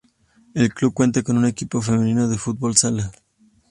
El club cuenta con un equipo femenino de Fútbol sala.